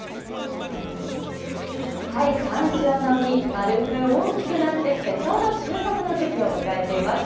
山椒の実丸く大きくなってきてちょうど収穫の時期を迎えています。